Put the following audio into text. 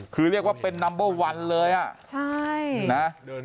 คือเรียกว่าเป็นนัมเบอร์วันเลยอ่ะใช่นะ